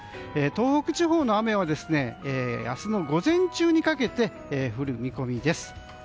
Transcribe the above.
東北地方の雨は明日の午前中にかけて降る見込みです。